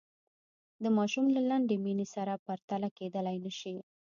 د ماشوم له لنډې مینې سره پرتله کېدلای نه شي.